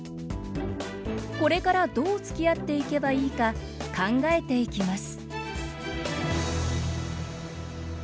これからどうつきあっていけばいいか考えていきます